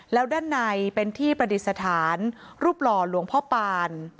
แล้วด้านในเป็นที่ประดิษฐานรูปหล่อหลวงพ่อปาน